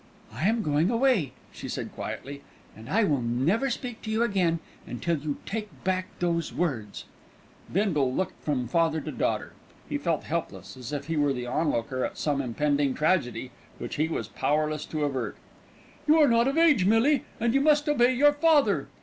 "I am going away," she said quietly; "and I will never speak to you again until you take back those words." Bindle looked from father to daughter. He felt helpless, as if he were the onlooker at some impending tragedy which he was powerless to avert. "You are not of age, Millie, and you must obey your father."